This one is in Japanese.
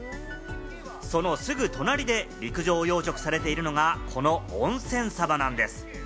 そのすぐ隣で陸上養殖されているのが、この温泉サバなんです。